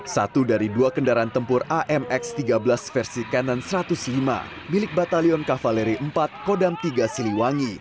satu dari dua kendaraan tempur amx tiga belas versi kanan satu ratus lima milik batalion kavaleri empat kodam tiga siliwangi